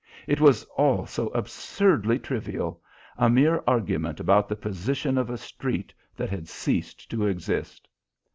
It was all so absurdly trivial a mere argument about the position of a street that had ceased to exist.